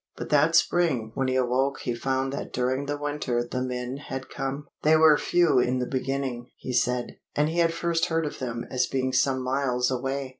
But that spring when he awoke he found that during the winter the men had come. They were few in the beginning, he said, and he had first heard of them as being some miles away.